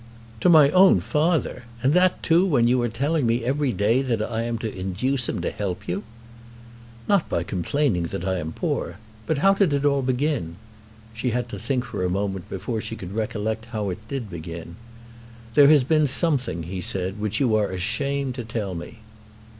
"To my own father! And that too when you are telling me every day that I am to induce him to help you!" "Not by complaining that I am poor. But how did it all begin?" She had to think for a moment before she could recollect how it did begin. "There has been something," he said, "which you are ashamed to tell me."